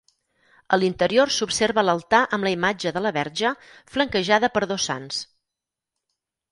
A l'interior s'observa l'altar amb la imatge de la Verge, flanquejada per dos Sants.